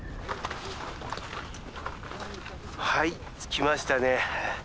はい着きましたね。